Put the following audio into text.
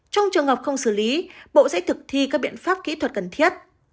trong trường hợp không xử lý bộ sẽ thực thi các biện pháp kỹ thuật cần thiết